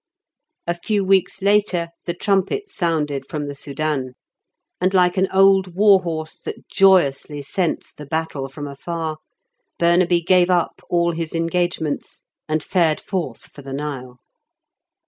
A few weeks later the trumpet sounded from the Soudan, and like an old war horse that joyously scents the battle from afar, Burnaby gave up all his engagements, and fared forth for the Nile.